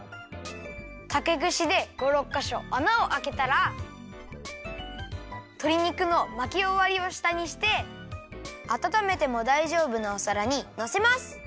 たけぐしで５６かしょあなをあけたらとり肉のまきおわりをしたにしてあたためてもだいじょうぶなおさらにのせます！